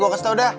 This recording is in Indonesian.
gue kasih tau dah